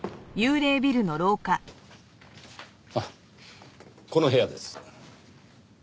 あっこの部屋です。